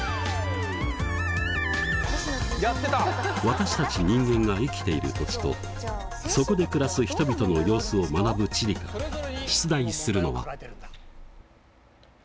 私たち人間が生きている土地とそこで暮らす人々の様子を学ぶ地理から出題するのは。